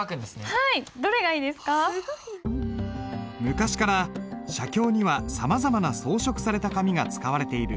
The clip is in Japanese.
昔から写経にはさまざまな装飾された紙が使われている。